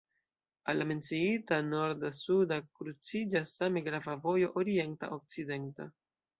Al la menciita norda-suda kruciĝas same grava vojo orienta-okcidenta.